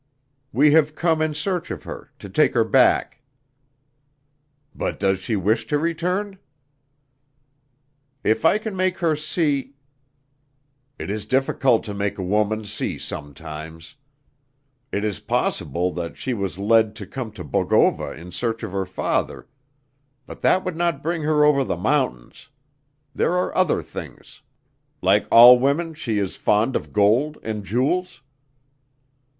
"We have come in search of her to take her back." "But does she wish to return?" "If I can make her see " "It is difficult to make a woman see sometimes. It is possible that she was led to come to Bogova in search of her father but that would not bring her over the mountains. There are other things like all women she is fond of gold and jewels?"